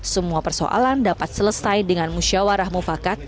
semua persoalan dapat selesai dengan musyawarah mufakat